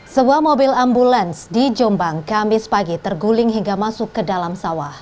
sebuah mobil ambulans di jombang kamis pagi terguling hingga masuk ke dalam sawah